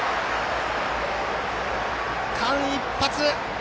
間一髪。